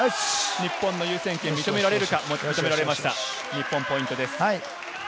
日本の優先権が認められるか、認められました日本ポイントです。